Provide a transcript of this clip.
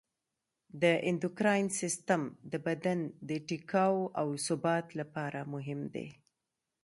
د اندوکراین سیستم د بدن د ټیکاو او ثبات لپاره مهم دی.